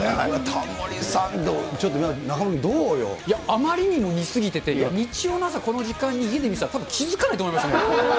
タモリさん、いや、あまりにも似すぎてて、日曜の朝、この時間、家で見てたらたぶん気付かないと思いますね。